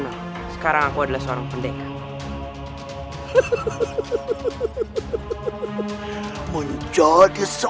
orangatoko sudah mengagumi kaki saya